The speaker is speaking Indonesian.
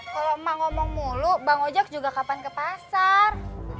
kalau emak ngomong mulu bang ojek juga kapan ke pasar